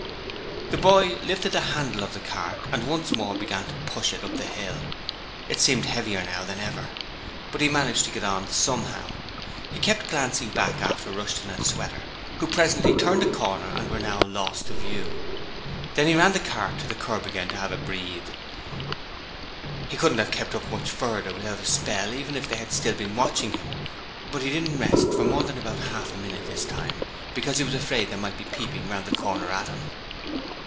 The boy lifted the handle of the cart and once more began to push it up the hill. It seemed heavier now that ever, but he managed to get on somehow. He kept glancing back after Rushton and Sweater, who presently turned a corner and were lost to view: then he ran the cart to the kerb again to have a breathe. He couldn't have kept up much further without a spell even if they had still been watching him, but he didn't rest for more than about half a minute this time, because he was afraid they might be peeping round the corner at him.